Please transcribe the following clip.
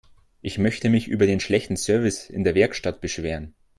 Ich möchte mich über den schlechten Service in der Werkstatt beschweren.